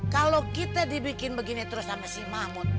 kalau kita dibikin begini terus sama si mahmud